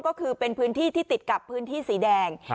ก็คือเป็นพื้นที่ที่ติดกับพื้นที่สีแดง